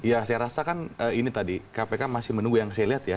ya saya rasa kan ini tadi kpk masih menunggu yang saya lihat ya